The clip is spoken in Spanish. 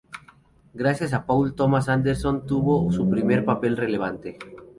Gracias a Paul Thomas Anderson obtuvo su primer papel relevante.